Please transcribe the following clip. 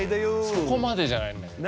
そこまでじゃないんだけど。